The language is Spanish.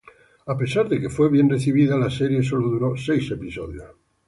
A pesar de que fue bien recibida, la serie solo duró seis episodios.